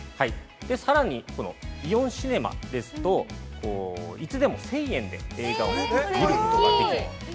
さらに、イオンシネマですと、いつでも１０００円で見ることができる。